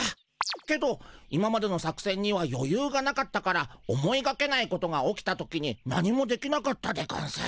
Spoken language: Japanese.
けど今までの作せんにはよゆうがなかったから思いがけないことが起きた時に何もできなかったでゴンス。